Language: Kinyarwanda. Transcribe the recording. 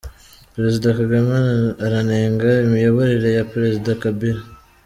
Perezida kagame aranenga imiyoborere ya Perezida Kabila